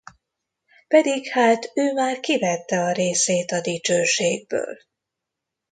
Pedig hát ő már kivette a részét a dicsőségből.